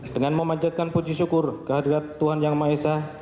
dengan memanjatkan puji syukur kehadirat tuhan yang maha esa